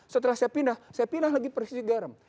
setelah saya pindah saya pindah lagi persis garam